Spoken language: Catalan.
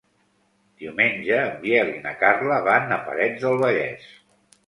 Diumenge en Biel i na Carla van a Parets del Vallès.